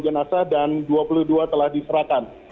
dan dua puluh dua orang telah diserahkan